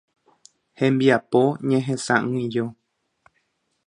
Hembiapo Ñehesa'ỹijo.